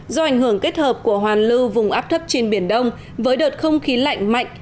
do ảnh hưởng kết hợp của hoàn lưu vùng áp thấp trên biển đông với đợt không khí lạnh mạnh